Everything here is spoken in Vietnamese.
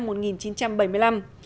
đây là những cuộc tổng hợp